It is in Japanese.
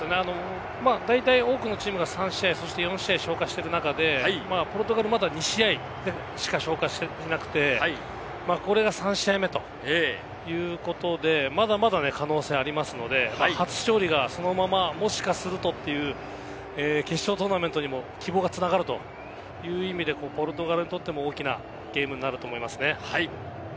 大体多くのチームが３試合、４試合消化している中でポルトガルはまだ２試合しか消化していなくて、これが３試合目。ということで、まだまだ可能性もありますので、初勝利がそのままもしかするとという決勝トーナメントにも希望が繋がるという意味でポルトガルにとっても大きなゲームになると思います。